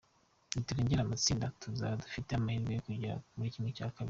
Niturenga amatsinda, tuzaba dufite amahirwe yo kugera muri ½.